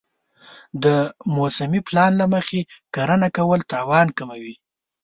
د موسمي پلان له مخې کرنه کول تاوان کموي.